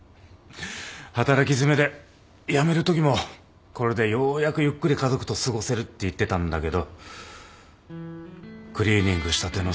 働きづめで辞めるときもこれでようやくゆっくり家族と過ごせるって言ってたんだけどクリーニングしたてのスーツ